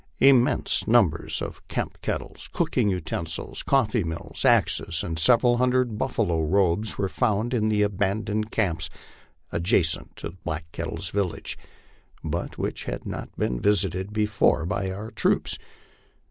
Immense numbers of camp kettles, cooking utensils, coffee mills, axes, and several hundred buffalo robes were found in the abandoned camps adja cent to Black Kettle's village, but which had not been visited before by our troops.